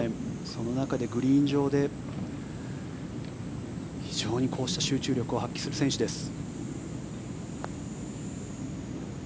その中でグリーン上で非常にこうした集中力を発揮する選手です。